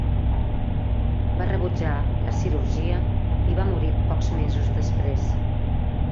Va rebutjar la cirurgia i va morir pocs mesos després.